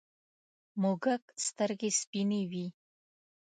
موږک سترگې سپینې وې.